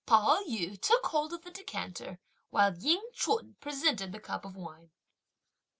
Pao yü took hold of the decanter, while Ying Ch'un presented the cup of wine.